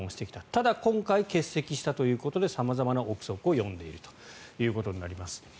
ただ、今回欠席したということで様々な臆測を呼んでいるということになります。